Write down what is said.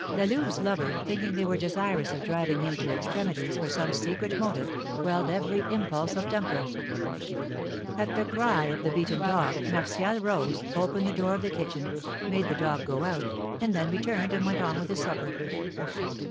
La Louve's lover, thinking they were desirous of driving him to extremities for some secret motive, quelled every impulse of temper. At the cry of the beaten dog, Martial rose, opened the door of the kitchen, made the dog go out, and then returned, and went on with his supper.